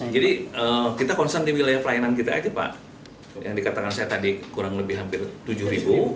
jadi kita konsentri wilayah pelayanan kita aja pak yang dikatakan saya tadi kurang lebih hampir tujuh